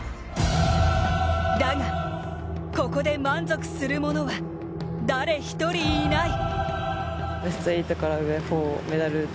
だが、ここで満足する者は誰一人いない。